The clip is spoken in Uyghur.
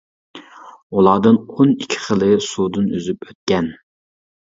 ئۇلاردىن ئون ئىككى خىلى سۇدىن ئۈزۈپ ئۆتكەن.